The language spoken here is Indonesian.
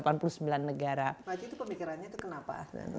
pak haji itu pemikirannya itu kenapa